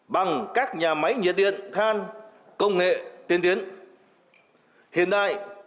bằng các nhà máy nhiệt điện than công nghệ tiên tiến hiện đại